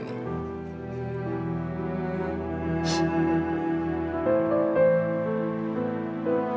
wini kamu itu tidak boleh bersedih